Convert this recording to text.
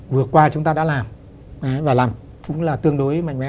vừa qua chúng ta đã làm và làm cũng là tương đối mạnh mẽ